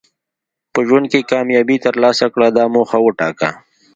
په ژوند کې کامیابي ترلاسه کړه دا موخه وټاکه.